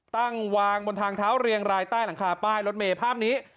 ตั้งวางบนทางเท้าเรียงรายใต้หลังคาป้ายรถเมย์ภาพนี้